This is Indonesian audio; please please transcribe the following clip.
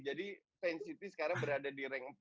jadi fans siti sekarang berada di rang empat